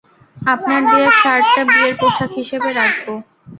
আপনার দেয়া শার্টটা বিয়ের পোশাক হিসেবে রাখবো।